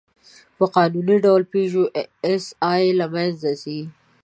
په قانوني ډول «پيژو ایسآی» له منځه ځي.